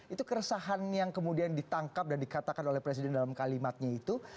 itu keresahan yang kemudian ditangkap dan dikatakan oleh presiden dalam kalimatnya itu